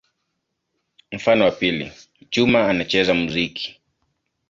Mfano wa pili: Juma anacheza muziki.